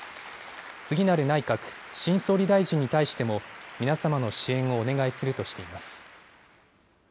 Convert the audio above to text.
次なる内閣、新総理大臣に対しても、皆様の支援をお願いするとしています。